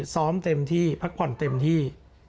ซ้อมเต็มที่พักผ่อนเต็มที่